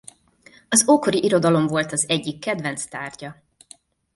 Az ókori irodalom volt az egyik kedvenc tárgya.